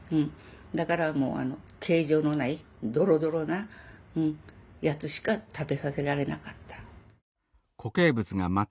だからもうあの形状のないどろどろなやつしか食べさせられなかった。